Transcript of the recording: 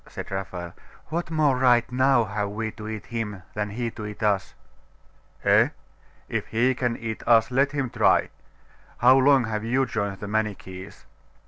said Raphael. 'What more right, now, have we to eat him than he to eat us?' 'Eh? If he can eat us, let him try. How long have you joined the Manichees?